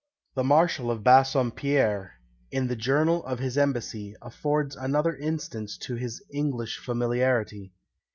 The Marshal de Bassompiere, in the journal of his embassy, affords another instance of his "English familiarity."